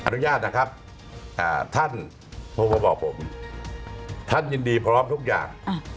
อนุญาตนะครับท่านโทรมาบอกผมท่านยินดีพร้อมทุกอย่าง